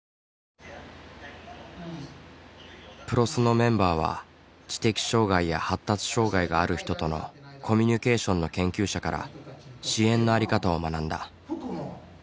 ＰＲＯＳのメンバーは知的障害や発達障害がある人とのコミュニケーションの研究者から支援のあり方を学んだ。